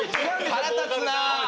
腹立つな！